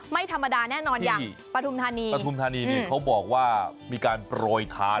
ไม่ธรรมดาแน่นอนอย่างปฐุมธานีปฐุมธานีนี่เขาบอกว่ามีการโปรยทาน